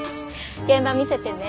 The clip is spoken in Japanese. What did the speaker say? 現場見せてね。